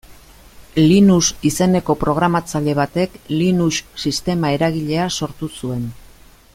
Linus izeneko programatzaile batek Linux sistema eragilea sortu zuen.